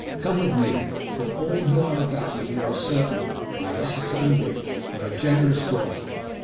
Come with me! From all who are about me, you are certain (I have ascertained it) of a generous welcome.